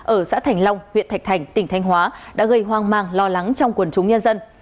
ở xã thành long huyện thạch thành tỉnh thanh hóa đã gây hoang mang lo lắng trong quần chúng nhân dân